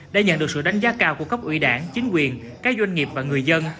đã nhận được sự đánh giá cao của cấp ủy đảng chính quyền các doanh nghiệp và người dân